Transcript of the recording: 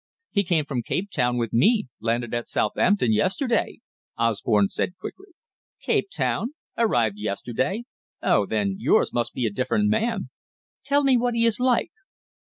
"He came from Capetown with me landed at Southampton yesterday," Osborne said quickly. "Capetown? Arrived yesterday? Oh, then yours must be a different man. Tell me what he is like."